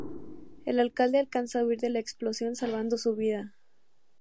El alcalde alcanza a huir de la explosión, salvando su vida.